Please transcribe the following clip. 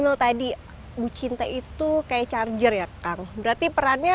udahlah para para